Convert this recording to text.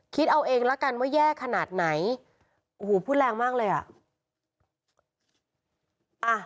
คิดเอาเองละกันว่าแย่ขนาดไหนโอ้โหพูดแรงมากเลยอ่ะ